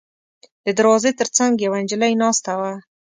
د دروازې تر څنګ یوه نجلۍ ناسته وه.